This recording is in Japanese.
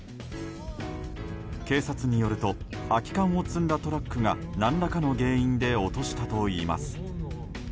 警察によると空き缶を積んだトラックが何らかの原因で落としたといいます。